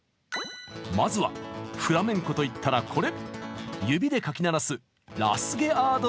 まずはフラメンコといったらコレ！